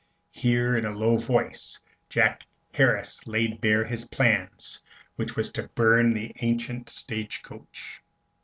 Here, in a low voice, Jack Harris laid bare his plan, which was to burn the ancient stage coach.